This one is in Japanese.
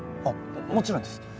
あっもちろんです。